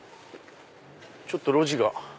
ちょっと路地が。